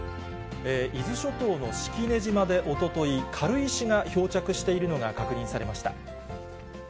伊豆諸島の式根島でおととい、軽石が漂着しているのが確認されました。